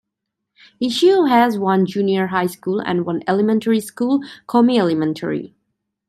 Ichiu has one junior high school, and one elementary school, Komi Elementary.